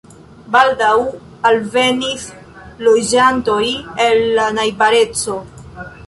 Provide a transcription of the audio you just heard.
Baldaŭ alvenis loĝantoj el la najbareco.